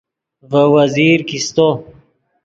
ڤے وزیر کیستو